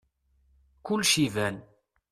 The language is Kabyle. Kulec iban.